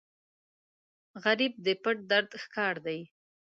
غریب د پټ درد ښکار دی